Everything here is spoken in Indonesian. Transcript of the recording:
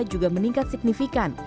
juga meningkat signifikan